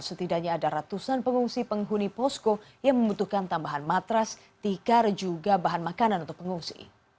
setidaknya ada ratusan pengungsi penghuni posko yang membutuhkan tambahan matras tikar juga bahan makanan untuk pengungsi